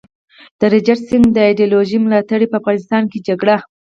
د رنجیت سینګ د ایډیالوژۍ ملاتړي په افغانستان کي جګړه